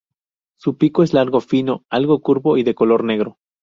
Su pico es largo fino, algo curvo, y de color negro.